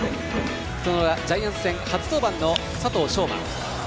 その裏、ジャイアンツ戦初登板の佐藤奨真。